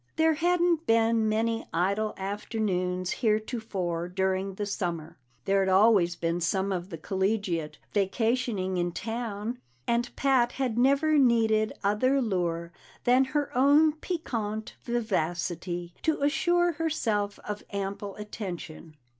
There hadn't been many idle afternoons heretofore during the summer; there'd always been some of the collegiate vacationing in town, and Pat had never needed other lure than her own piquant vivacity to assure herself of ample attention.